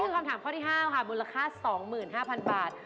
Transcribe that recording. ของผมถูกมาก